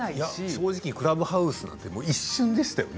正直クラブハウスなんて一瞬ですよね